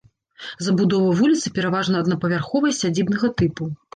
Забудова вуліцы пераважна аднапавярховая сядзібнага тыпу.